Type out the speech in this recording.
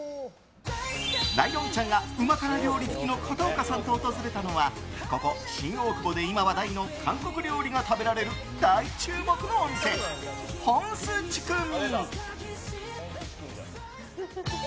ライオンちゃんがうま辛料理好きの片岡さんと訪れたのはここ新大久保で今、話題の韓国料理が食べられる大注目のお店、ホンスチュクミ。